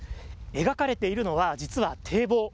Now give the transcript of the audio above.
描かれているのは、実は堤防。